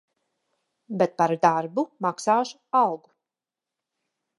Bet par darbu maksāšu algu.